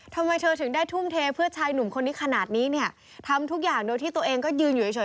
ทำไมเธอถึงได้ทุ่มเทเพื่อชายหนุ่มคนนี้ขนาดนี้เนี่ยทำทุกอย่างโดยที่ตัวเองก็ยืนอยู่เฉย